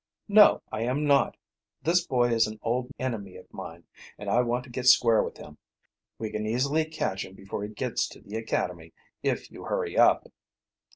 "No, I am not. This boy is an old enemy of mine, and I want to get square with him. We can easily catch him before he gets to the academy, if you hurry up."